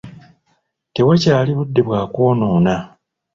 Tewakyali budde bwakwonoona.